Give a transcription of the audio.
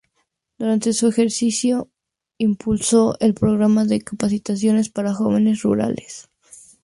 Durante su ejercicio impulsó el Programa de Capacitación para Jóvenes Rurales.